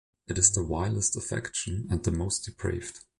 It is the vilest affection, and the most depraved.